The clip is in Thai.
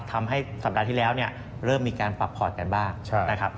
ทำให้สัปดาห์ทีแล้วเริ่มมีการปรับขวดกันบ้าง